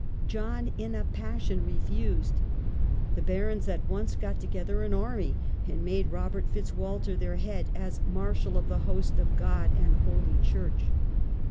John in a passion refused. The barons at once got together an army, and made Robert Fitz Walter their head as "marshal of the host of God and holy church".